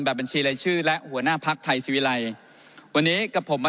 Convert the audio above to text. แบบบัญชีไร้ชื่อและหัวหน้าภัคดิ์ไทยสิวิไลวันนี้กับผมมาทำ